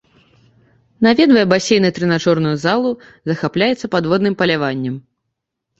Наведвае басейн і трэнажорную залу, захапляецца падводным паляваннем.